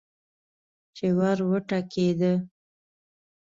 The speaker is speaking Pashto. چې ور وټکېده.